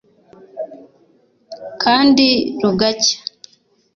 kandi rugacya